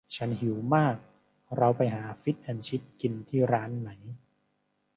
ฉันหิวมาก เราไปหาฟิชแอนด์ชิพกินที่ร้านไหม